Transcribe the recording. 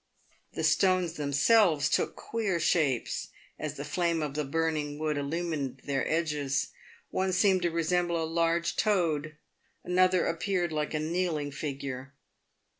The stones themselves took queer shapes as the flame of the burning wood illumined their edges. One seemed to resemble a large toad, and another appeared like a kneeling figure.